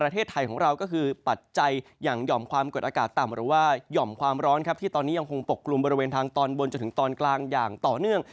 ประเทศไทยของเราก็คือปัจจัยอย่างหย่อมความกดอากาศต่ำหรือว่าหย่อมความร้อนครับที่ตอนนี้ยังคงปกกลุ่มบริเวณทางตอนบนจนถึงตอนกลางอย่างต่อเนื่อง